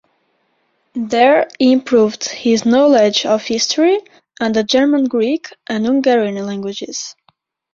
There, he improved his knowledge of history, and the German Greek and Hungarian languages.